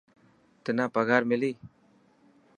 تنا پگهار ملي.